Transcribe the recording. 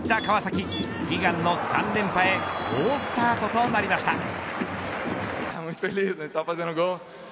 悲願の３連覇へ好スタートとなりました。